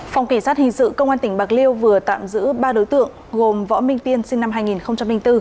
phòng kỳ sát hình sự công an tỉnh bạc liêu vừa tạm giữ ba đối tượng gồm võ minh tiên sinh năm hai nghìn bốn